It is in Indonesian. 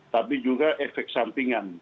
tapi juga efek sampingan